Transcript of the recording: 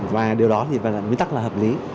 và điều đó thì nguyên tắc là hợp lý